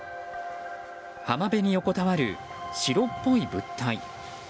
浜辺に横たわる白っぽい物体。